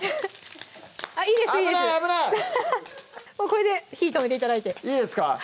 これで火止めて頂いていいですか？